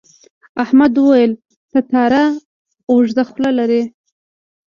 احمد وویل تتارا اوږده خوله لري.